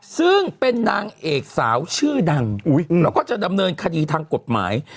ซึ่งเป็นนางเอกสาวชื่อดังแล้วก็จะดำเนินคดีทางกฎหมาย